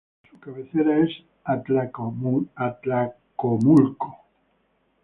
Su cabecera es Atlacomulco.